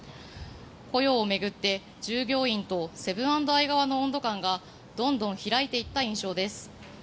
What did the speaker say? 雇用を巡って従業員とセブン＆アイ側の温度感がどんどん開いていった印象です。